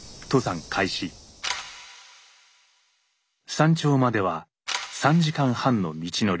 山頂までは３時間半の道のり。